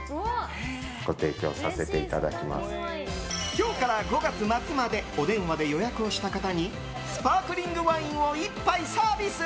今日から５月末までお電話で予約をした方にスパークリングワインを１杯サービス。